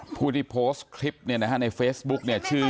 ผู้โพสต์คลิปเนี่ยนะฮะในเฟซบุ๊คเนี่ย